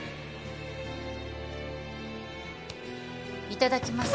いただきます。